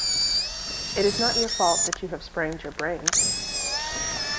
It is not your fault that you have sprained your brain.